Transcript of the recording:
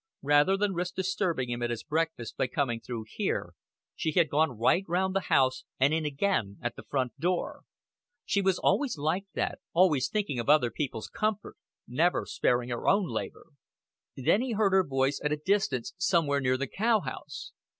Rather than risk disturbing him at his breakfast by coming through here, she had gone right round the house and in again at the front door. She was always like that always thinking of other people's comfort, never sparing her own labor. Then he heard her voice at a distance somewhere near the cowhouse.